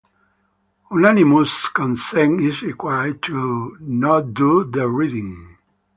Unanimous consent is required to not do the reading.